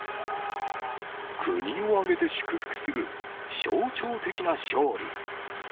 国を挙げて祝福する象徴的な勝利。